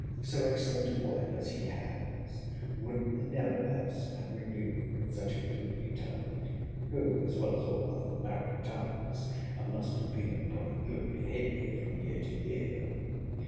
—So excellent a wife as he has, would never else have renewed with such a gloomy tyrant: who, as well as all other married tyrants, must have been upon good behaviour from year to year.